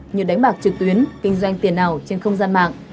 như đánh bạc trực tuyến kinh doanh tiền ảo trên không gian mạng